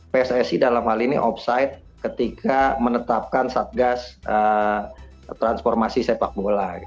pssi dalam hal ini offside ketika menetapkan satgas transformasi sepak bola